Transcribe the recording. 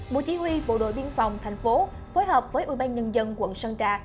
bộ chỉ huy bộ đội biên phòng thành phố phối hợp với ủy ban nhân dân quận sơn trà